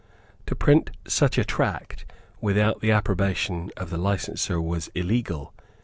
To print such a tract without the approbation of the licenser was illegal.